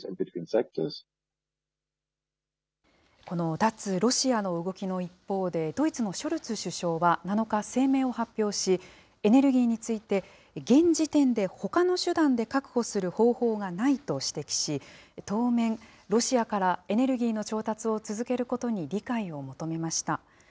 この脱ロシアの動きの一方で、ドイツのショルツ首相は７日、声明を発表し、エネルギーについて、現時点でほかの手段で確保する方法がないと指摘し、当面、ロシアからエネルギーの調達を続けることに理解を求めました。